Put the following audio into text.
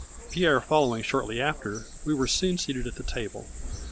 Pierre following shortly after, we were soon seated at the table.